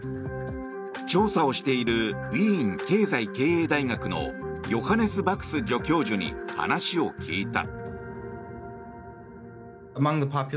調査をしているウィーン経済・経営大学のヨハネス・バクス助教授に話を聞いた。